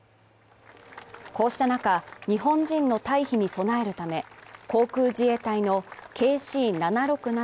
こうした中、日本人の退避に備えるため航空自衛隊のＫＣ７６７